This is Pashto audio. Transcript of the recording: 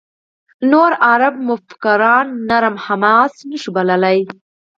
نور عرب مفکران «نرم حماس» نه شو بللای.